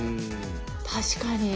確かに。